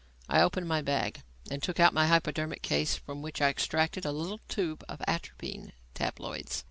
I opened my bag and took out my hypodermic case from which I extracted a little tube of atropine tabloids.